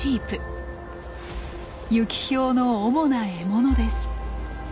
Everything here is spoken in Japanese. ユキヒョウの主な獲物です。